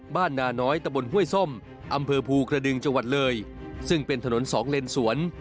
นาน้อยตะบนห้วยส้มอำเภอภูกระดึงจังหวัดเลยซึ่งเป็นถนนสองเลนสวน